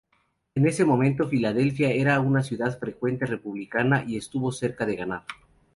En ese momento, Filadelfia era una ciudad fuertemente republicana, y estuvo cerca de ganar.